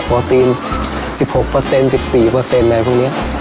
ตีน๑๖๑๔อะไรพวกนี้